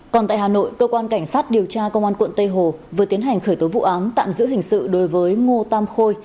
còn tại hà nội cơ quan cảnh sát điều tra công an quận tây hồ vừa tiến hành khởi tố vụ án tạm giữ hình sự đối với ngô tam khôi